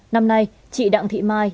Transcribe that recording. năm nay chị đặng thị mai